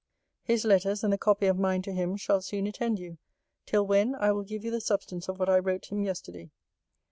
His letters and the copy of mine to him, shall soon attend you. Till when, I will give you the substance of what I wrote him yesterday.